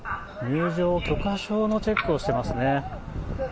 入場許可証のチェックをしていますね。